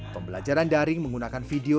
pembelajaran daring menggunakan video